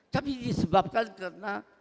tapi disebabkan karena